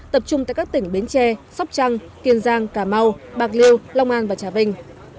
tập trung tại các tỉnh bến tre sóc trăng kiên giang cà mau bạc liêu long an và trà vinh